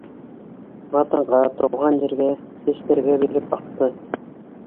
Ватанға, тыуған ергә, Сәстәргә биреп аҡты;